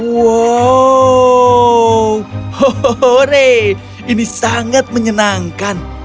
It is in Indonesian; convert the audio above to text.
wow hohore ini sangat menyenangkan